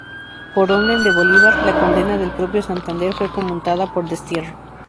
Por orden de Bolívar, la condena del propio Santander fue conmutada por destierro.